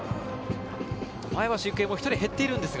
前橋育英も１人減っているんですが。